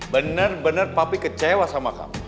bener bener papi kecewa sama kamu